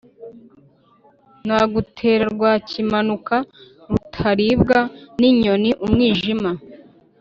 Nagutera Rwakimanuka rutaribwa n'inyoni-Umwijima.